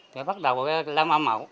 thì bắt đầu làm âm mộ